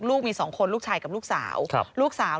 ลูกมี๒คนลูกชายกับลูกสาว